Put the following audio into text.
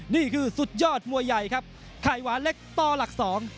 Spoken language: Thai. นี่คือสุดยอดมวยใหญ่ครับไข่หวานเล็กต่อหลักสอง